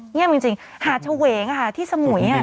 เงียบจริงหาดเฉวงที่สมุย